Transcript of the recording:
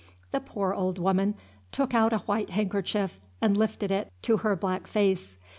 The poor old woman took out a white handkerchief, and lifted it to her black face.